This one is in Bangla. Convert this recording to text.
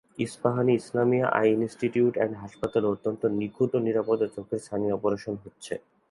Ispahani Islamia eye institute and হসপিটালে অত্যন্ত নিখুঁত ও নিরাপদে চোখের ছানি অপারেশন হচ্ছে।